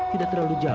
tidak terlalu jauh